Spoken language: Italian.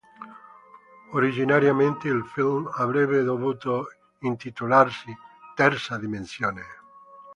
Originariamente, il film avrebbe dovuto intitolarsi "Terza dimensione".